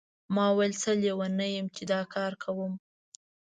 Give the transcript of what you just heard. ما ویل څه لیونی یم چې دا کار کوم.